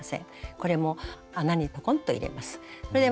これも穴にポコンと入れます。